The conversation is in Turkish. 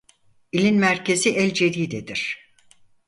İlin merkezi El-Cedide'dir.